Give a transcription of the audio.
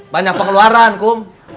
banyak pengeluaran kum